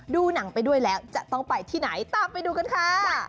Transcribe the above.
ดูหนังไปด้วยแล้วจะต้องไปที่ไหนตามไปดูกันค่ะ